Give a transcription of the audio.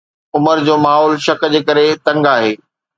عمر جو ماحول شڪ جي ڪري تنگ آهي